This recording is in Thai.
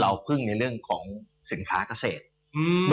พึ่งในเรื่องของสินค้าเกษตร